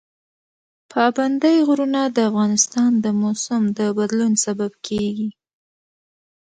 پابندی غرونه د افغانستان د موسم د بدلون سبب کېږي.